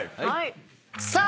さあ